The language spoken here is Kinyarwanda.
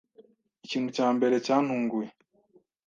Ikintu cya mbere cyantunguye